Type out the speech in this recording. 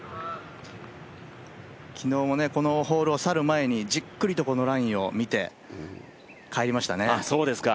昨日もこのホールを去る前にじっくりとこのラインを見て帰りましたね。